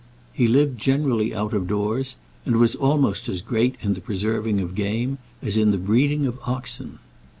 He lived generally out of doors, and was almost as great in the preserving of game as in the breeding of oxen.